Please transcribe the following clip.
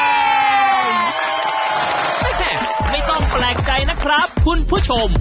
แม่ไม่ต้องแปลกใจนะครับคุณผู้ชม